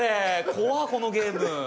怖っこのゲーム。